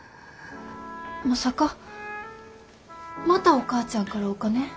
まさかまたお母ちゃんからお金？